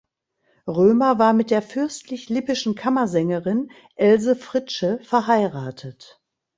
Römer war mit der "Fürstlich Lippischen Kammersängerin" Else Fritzsche verheiratet.